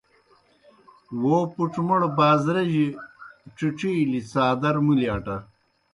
وو پُڇ موْڑ بازرِجیُ ڇِڇِلیْ څادر مُلیْ اٹہ۔